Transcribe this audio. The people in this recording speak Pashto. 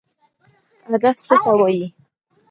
هدف څه ته وایي؟